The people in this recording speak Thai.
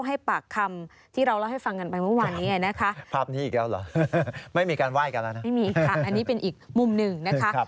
ไม่มีค่ะอันนี้เป็นอีกมุมหนึ่งนะคะ